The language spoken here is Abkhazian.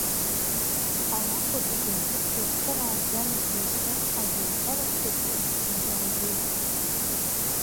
Алакә аҿы Џьамхәыхә дызхырааӡалаз иашьа адоуқәа раҳәшьа ԥҳәысс дизааигоит.